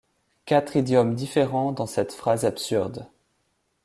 Quatre idiomes différents dans cette phrase absurde !